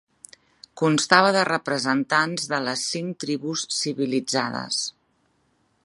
Constava de representants de les cinc tribus civilitzades.